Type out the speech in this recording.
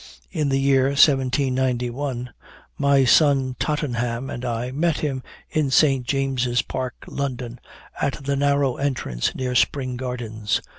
In the year, 1791, my son Tottenham and I met him in St. James's Park, (London,) at the narrow entrance near Spring Gardens.